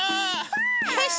よし！